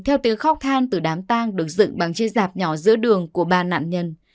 theo tiếng khóc than từ đám tang được dựng bằng chiếc giạp nhỏ giữa đường của ba nạn nhân